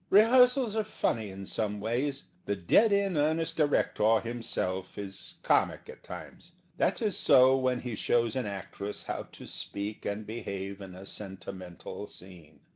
Rehearsals are funny in some ways. The dead in earnest director himself is comic at times. That is so when he shows an actress how to speak and behave in a sentimental scene.